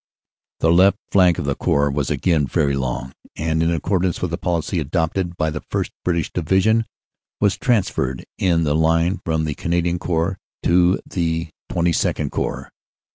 "The left flank of the Corps was again very long, and in accordance with the policy adopted the 1st. British Division was transferred in the line from the Canadian Corps to the AFTER THE BATTLE 171 XXII Corps.